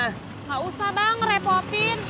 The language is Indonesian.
nggak usah bang nge repotin